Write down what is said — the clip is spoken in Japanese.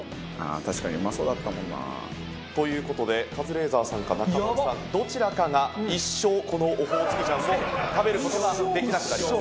確かにうまそうだったもんな。という事でカズレーザーさんか中丸さんどちらかが一生このオホーツク醤を食べる事ができなくなります。